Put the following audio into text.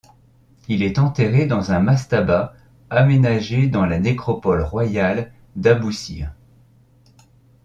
Il est enterré dans un mastaba aménagé dans la nécropole royale d'Abousir.